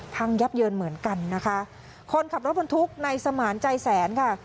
พังยับเยินเหมือนกันนะคะคนขับรถบรรทุกในสมานใจแสนค่ะ